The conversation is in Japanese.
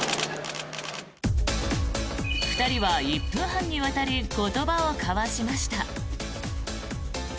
２人は１分半にわたり言葉を交わしました。